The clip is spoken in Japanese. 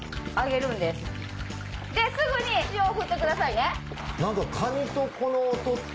すぐに塩を振ってくださいね。